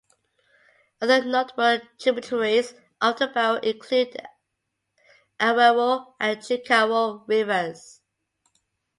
Other notable tributaries of the Baro include the Alwero and Jikawo Rivers.